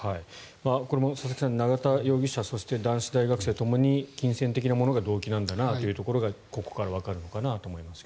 これも一茂さん永田容疑者、男子大学生ともに金銭的なものが動機なんだなというところがここからわかるかなと思いますが。